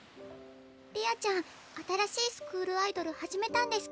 理亞ちゃん新しいスクールアイドル始めたんですか？